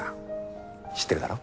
知ってるだろ？